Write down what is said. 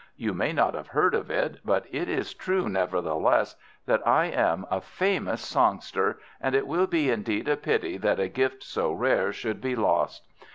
You may not have heard of it, but it is true nevertheless that I am a famous songster, and it will be indeed a pity that a gift so rare should be lost.